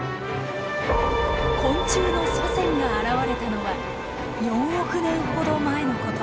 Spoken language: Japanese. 昆虫の祖先が現れたのは４億年ほど前のこと。